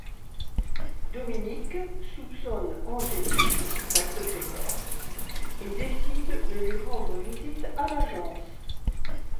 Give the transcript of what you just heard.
Dominique soupçonne Angélique, la secrétaire, et décide de lui rendre visite à l'agence.